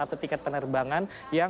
atau tiket penerbangan